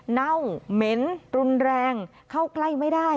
เน่าเหม็นรุนแรงเข้าใกล้ไม่ได้